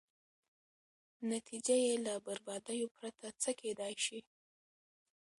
نتېجه یې له بربادیو پرته څه کېدای شي.